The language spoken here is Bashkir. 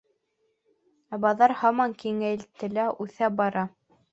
Ә баҙар һаман киңәйтелә, үҫә бара.